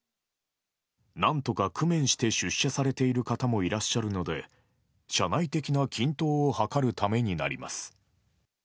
なんとか工面して出社されている方もいらっしゃるので、社内的な均等を図るためになります。